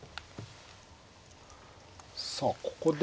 さあここで。